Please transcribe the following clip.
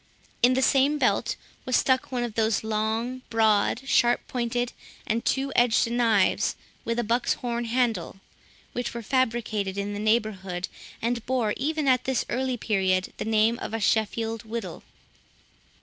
In the same belt was stuck one of those long, broad, sharp pointed, and two edged knives, with a buck's horn handle, which were fabricated in the neighbourhood, and bore even at this early period the name of a Sheffield whittle.